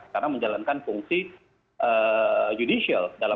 karena menjalankan fungsi judicial